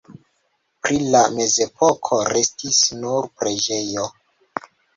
Pri la mezepoko restis nur preĝejo.